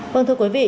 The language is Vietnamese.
vâng thưa quý vị